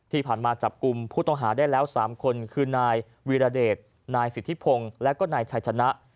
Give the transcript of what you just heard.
ที่ผ่านมาจับกลุ่มผู้ต้องหาได้แล้ว๓คนคือนายวีรเดชนายสิทธิพงศ์และก็นายชัยชนะ